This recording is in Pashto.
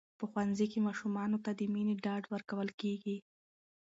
په ښوونځي کې ماشومانو ته د مینې ډاډ ورکول کېږي.